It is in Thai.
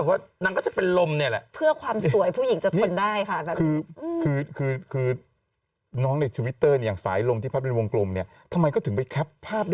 พี่แหวนนี่แหวนนี่แหวนใช่ไหมพี่หนูไม่ไหวแล้วทำไมหนูรักโฆลด